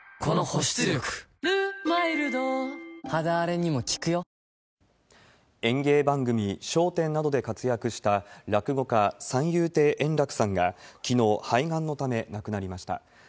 演芸番組、演芸番組、笑点などで活躍した落語家、三遊亭円楽さんが、きのう、肺がんのため亡くなりました。